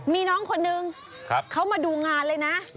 มีน้องคนนึงเขามาดูงานเลยนะ